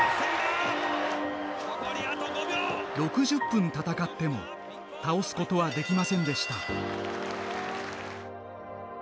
６０分戦っても倒すことはできませんでした。